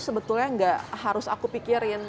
sebetulnya nggak harus aku pikirin